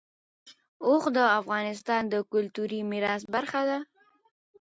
اوښ د افغانستان د کلتوري میراث برخه ده.